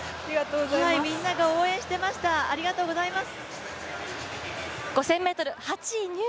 みんなが応援していました、ありがとうございます。